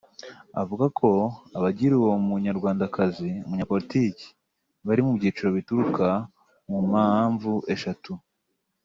Avuga ko abagira uwo munyarwandakazi “Umunyapolitiki” bari mu byiciro bituruka ku mpamvu eshatu